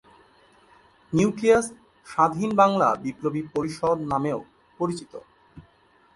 Nucleus ‘Swadhin Bangla Biplobi Parishad’ নামেও পরিচিত।